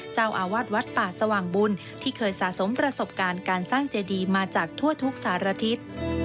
เจ้าอาวาสวัดป่าสว่างบุญที่เคยสะสมประสบการณ์การสร้างเจดีมาจากทั่วทุกสารทิศ